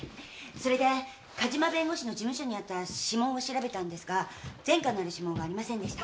それで梶間弁護士の事務所にあった指紋を調べたんですが前科のある指紋はありませんでした。